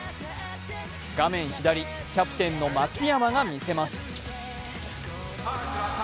画面左、キャプテンの松山がみせます。